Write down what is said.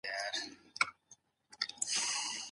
هغه پر خپل فکر کار کوي.